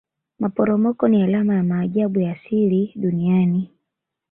maporomoko ni alama ya maajabu ya asili duniani